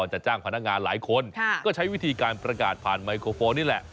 จะจ้างพนักงานหลายคนก็ใช้วิธีการประกาศผ่านไมโครโฟนนี่แหละ